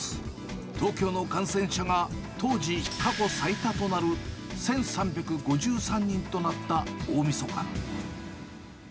東京の感染者が当時、過去最多となる１３５３人となった大みそか。